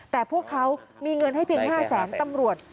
แต่พวกเขามีเงินให้เพียง๕แสนตำรวจ